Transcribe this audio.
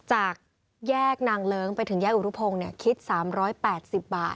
จากแยกนางเลิ้งไปถึงแยกอุรุพงศ์คิด๓๘๐บาท